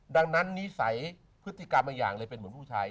ดังนั้นนิสัยพฤติกรรมบางอย่างเลยเป็นเหมือนผู้ชาย